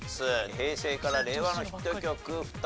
平成から令和のヒット曲２つ。